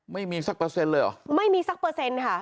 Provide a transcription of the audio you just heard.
ไม่มีสักเปอร์เซ็นต์เลยเหรอไม่มีสักเปอร์เซ็นต์ค่ะ